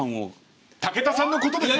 武田さんのことですね？